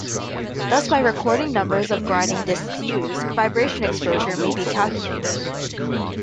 Thus by recording numbers of grinding disks used, vibration exposure may be calculated.